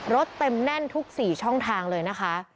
เต็มแน่นทุก๔ช่องทางเลยนะคะ